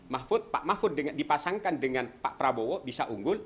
mahfud pak mahfud dipasangkan dengan pak prabowo bisa unggul